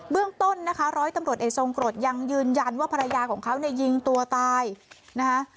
เรื่องต้นนะคะร้อยตำรวจเอกทรงกรดยังยืนยันว่าภรรยาของเขาเนี่ยยิงตัวตายนะคะ